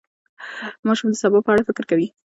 ماشوم د سبا په اړه فکر کوي.